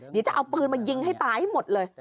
เดี๋ยวจะเอาปืนมายิงให้ตายให้หมดเลย